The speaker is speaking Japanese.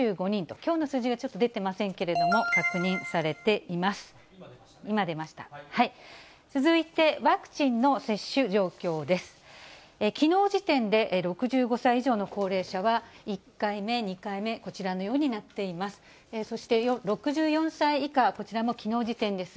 きのう時点で６５歳以上の高齢者は１回目、２回目、こちらのようになっています。